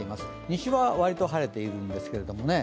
西は割と晴れているんですけれども。